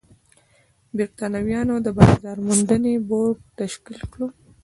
برېټانویانو د بازار موندنې بورډ تشکیل کړ.